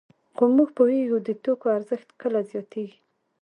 خو موږ پوهېږو د توکو ارزښت کله زیاتېږي